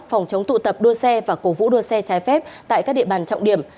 phòng chống tụ tập đua xe và cổ vũ đua xe trái phép tại các địa bàn trọng điểm